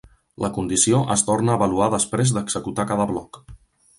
La condició es torna a avaluar després d'executar cada bloc.